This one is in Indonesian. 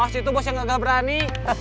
awas itu bos yang gak berani